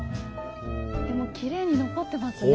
でもきれいに残ってますね。